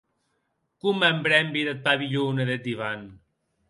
Com m'en brembi deth pavilhon e deth divan!